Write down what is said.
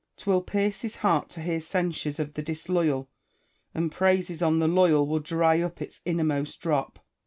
'Twill pierce his heart to hear censures of the disloyal ; and praises on the loyal will dry up its innermost drop.